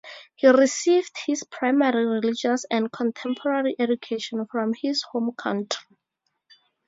He received his primary religious and contemporary education from his home country.